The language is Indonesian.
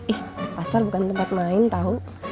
ih pasar bukan tempat main tahu